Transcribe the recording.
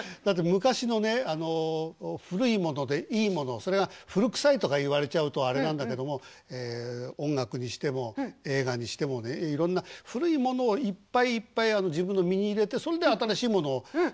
だって昔のね古いものでいいものそれが古くさいとか言われちゃうとあれなんだけども音楽にしても映画にしてもいろんな古いものをいっぱいいっぱい自分の身に入れてそんで新しいものを。